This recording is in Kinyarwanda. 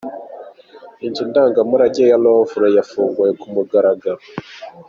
Inzu ndangamurage ya Louvre yafunguwe ku mugaragaro.